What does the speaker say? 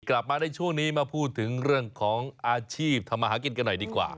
กลับมาในช่วงนี้มาพูดถึงเรื่องของอาชีพทำมาหากินกันหน่อยดีกว่า